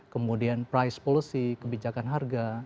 kemudian price policy kebijakan harga